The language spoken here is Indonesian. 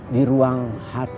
di ruang hc